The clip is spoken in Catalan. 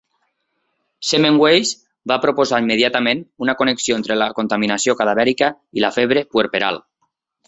Semmelweis va proposar immediatament una connexió entre la contaminació cadavèrica i la febre puerperal.